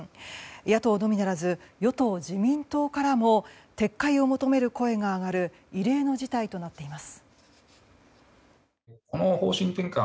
野党のみならず与党・自民党からも撤回を求める声が上がる異例の事態となっています。